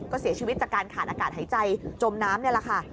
ก็เสียชีวิตจากการขาดอากาศหายใจจมน้ำนี่แหละค่ะ